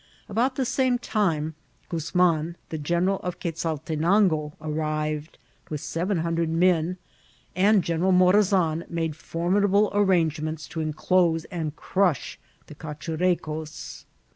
About the same time Guzman, the general of Ques^ altenango, arrived, with seven hundred men, and Gei> eral Morazan made formidable arrangements to enclose and crush the Cachurecos.